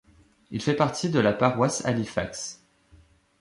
Il fait partie de la Paroisse Halifax.